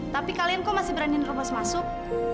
tapi kalian kok masih berani nerobos masuk